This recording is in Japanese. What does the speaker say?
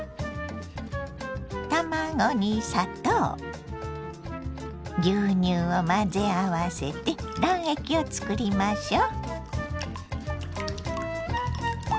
卵に砂糖牛乳を混ぜ合わせて卵液を作りましょ。